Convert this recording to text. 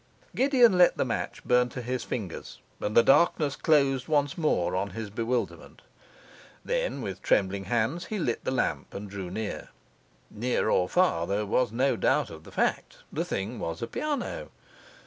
Gideon let the match burn to his fingers, and the darkness closed once more on his bewilderment. Then with trembling hands he lit the lamp and drew near. Near or far, there was no doubt of the fact: the thing was a piano.